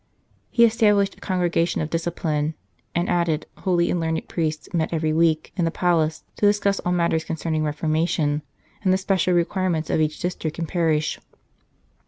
He established a congregation of discipline, and at it holy and learned priests met every week in the palace to discuss all matters concerning reforma tion, and the special requirements of each district and parish.